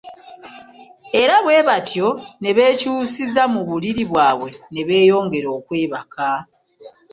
Era bwe batyo ne beekyusiza mu buliri bwabwe ne beeyongera okwebaka.